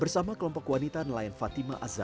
saya memang tidak membawa